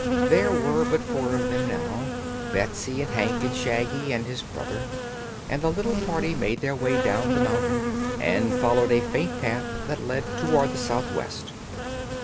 There were but four of them now Betsy and Hank, and Shaggy and his brother and the little party made their way down the mountain and followed a faint path that led toward the southwest.